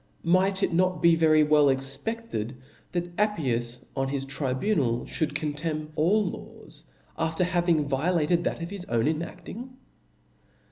Might it not be Very well expefted that Appius on his tribu nal fhould contemn all laws, after having vio (») Sec the latcd that of his own (*) enacting?